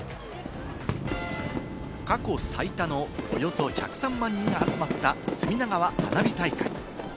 過去最多のおよそ１０３万人が集まった隅田川花火大会。